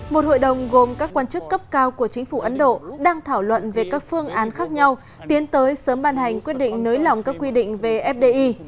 một hội đồng gồm các quan chức cấp cao của chính phủ ấn độ đang thảo luận về các phương án khác nhau tiến tới sớm ban hành quyết định nới lỏng các quy định về fdi